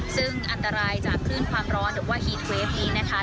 ซึ่งอันตรายจากคลื่นความร้อนหรือว่าฮีดเวฟนี้นะคะ